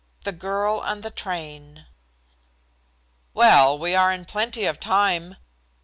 IX THE GIRL ON THE TRAIN "Well, we are in plenty of time."